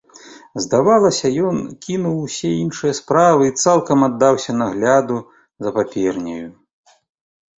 Здавалася, ён кінуў усе іншыя справы і цалкам аддаўся нагляду за паперняю.